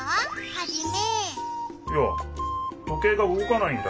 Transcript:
ハジメ。